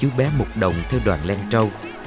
chú bé mục đồng theo đoàn len trâu